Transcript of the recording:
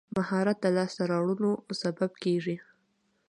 مهارت د لاسته راوړنو سبب کېږي.